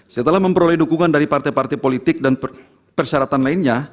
setelah memperoleh dukungan dari partai partai politik dan persyaratan lainnya